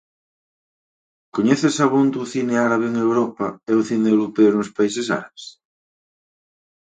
Coñécese abondo o cine árabe en Europa e o cine europeo nos países árabes?